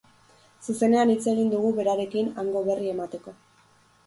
Zuzenean hitz egin dugu berarekin hango berri emateko.